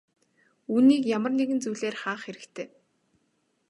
Үүнийг ямар нэгэн зүйлээр хаах хэрэгтэй.